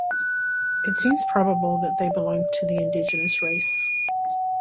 It seems probable that they belonged to the indigenous race.